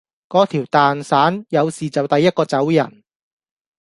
嗰條蛋散，有事就第一個走人